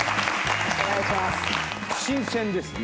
新鮮ですね。